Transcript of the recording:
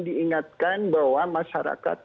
diingatkan bahwa masyarakat